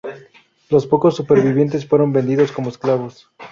Los pocos supervivientes fueron vendidos como esclavos.